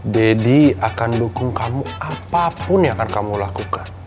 deddy akan dukung kamu apapun yang akan kamu lakukan